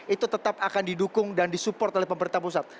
itu tetap akan didukung dan disupport oleh pemerintah pusat